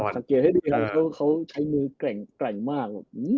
สังเกตให้ดีเขาใช้มือแกร่งมาก